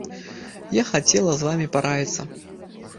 Я хацела з вамі параіцца.